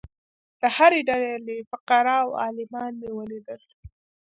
د هرې ډلې فقراء او عالمان مې ولیدل.